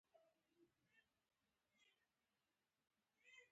د ګازو زیرمې یې په نړۍ کې دویمې دي.